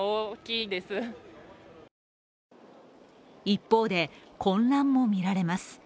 一方で、混乱も見られます。